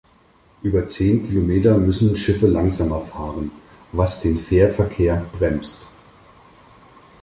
Über zehn Kilometer müssen Schiffe langsamer fahren, was den Fährverkehr bremst.